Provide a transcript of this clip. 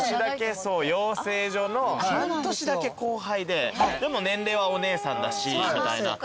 養成所の半年だけ後輩ででも年齢はお姉さんだしみたいな。